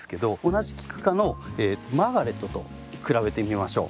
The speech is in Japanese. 同じキク科のマーガレットと比べてみましょう。